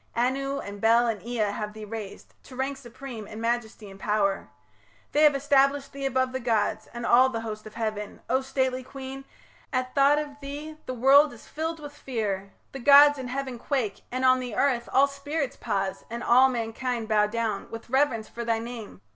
Anu and Bel and Ea have thee raised To rank supreme, in majesty and pow'r, They have established thee above the gods And all the host of heaven... O stately queen, At thought of thee the world is filled with fear, The gods in heaven quake, and on the earth All spirits pause, and all mankind bow down With reverence for thy name...